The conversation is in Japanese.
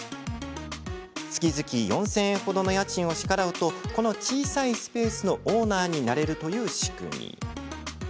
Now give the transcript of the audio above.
月々４０００円ほどの家賃を支払うとこの小さいスペースのオーナーになれるという仕組み。